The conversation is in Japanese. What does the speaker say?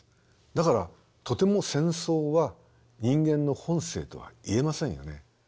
だからとても戦争は人間の本性とは言えませんよね。